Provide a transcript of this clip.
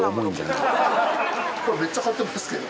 めっちゃ買ってますけど。